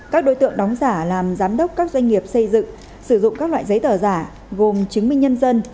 các đối tượng đóng giả làm giám đốc các doanh nghiệp xây dựng sử dụng các loại giấy tờ giả gồm chứng minh nhân dân